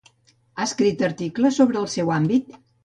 Ha escrit articles sobre el seu àmbit?